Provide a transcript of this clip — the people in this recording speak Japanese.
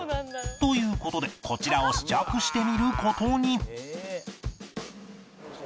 という事でこちらを試着してみる事に